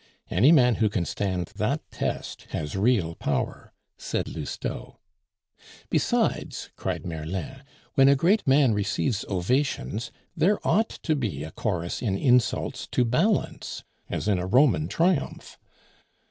"Any man who can stand that test has real power," said Lousteau. "Besides," cried Merlin, "when a great man receives ovations, there ought to be a chorus in insults to balance, as in a Roman triumph."